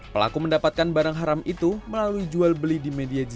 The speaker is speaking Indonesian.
pelaku mendapatkan barang haram itu melalui jual beli di media